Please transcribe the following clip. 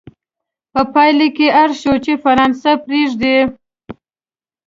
په پایله کې اړ شو چې فرانسه پرېږدي.